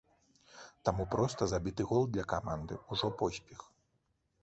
Таму проста забіты гол для каманды ўжо поспех.